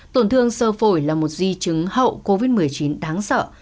tổn thương sơ phổi là một di chứng hậu covid một mươi chín đáng sợ